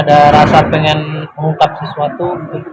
ada rasa pengen mengungkap sesuatu